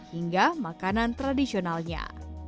hingga makanan tradisionalnya